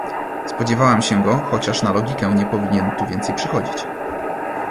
Spodziewałam się go, chociaż na logikę, nie powinien tu więcej przychodzić.